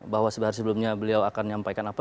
bahwa sehari sebelumnya beliau akan menyampaikan apa